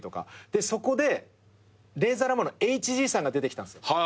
そこでレイザーラモンのＨＧさんが出てきたんすよ。